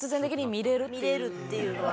見れるっていうのは。